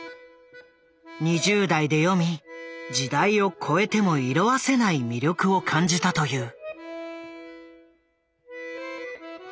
２０代で読み時代を超えても色あせない魅力を感じたという。